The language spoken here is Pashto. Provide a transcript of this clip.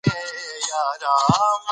د زابل خلک مېلمه پال او غيرتي دي.